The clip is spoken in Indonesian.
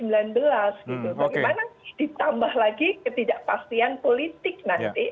bagaimana ditambah lagi ketidakpastian politik nanti